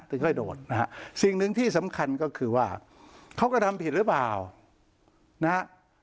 ค่อยโดนนะฮะสิ่งหนึ่งที่สำคัญก็คือว่าเขาก็ทำผิดหรือเปล่านะฮะ